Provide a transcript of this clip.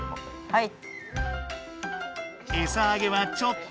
はい。